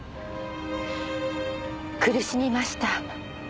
苦しみました。